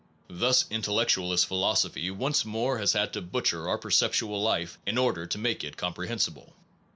Thus intellectualist philosophy once more has had to butcher our perceptual life in order to make it comprehensible.